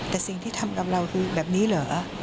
แต่สิ่งที่ทำกับเราคือแบบนี้เหรอ